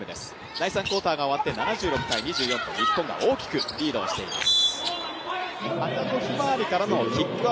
第３クオーターが終わって７６ー２４と日本が大きくリードしています。